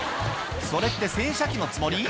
それって洗車機のつもり？